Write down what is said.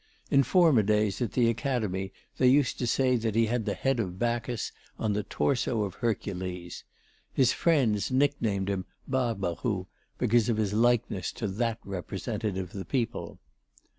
In former days, at the Academy, they used to say he had the head of Bacchus on the torso of Hercules. His friends nicknamed him "Barbaroux" because of his likeness to that representative of the people.